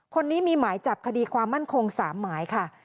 คนนี้มีหมายจับคดีความมั่นคง๓หมายค่ะ